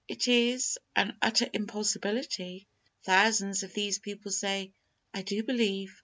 It is an utter impossibility. Thousands of these people say, "I do believe."